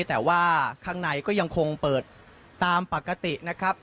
แต่ว่าข้างในก็ยังคงเปิดตามปกตินะครับ